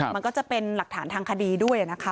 มันก็จะเป็นหลักฐานทางคดีด้วยนะคะ